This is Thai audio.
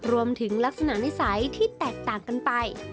รวมถึงลักษณะนิสัยที่แตกต่างกันไป